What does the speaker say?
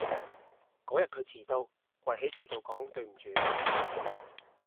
嗰日佢遲到，跪喺地度講對唔住